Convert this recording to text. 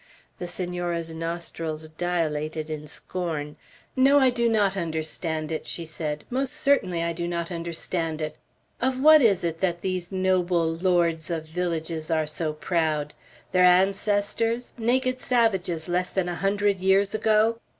The Senora's nostrils dilated in scorn. "No, I do not understand it," she said. "Most certainly I do not understand it. Of what is it that these noble lords of villages are so proud? their ancestors, naked savages less than a hundred years ago?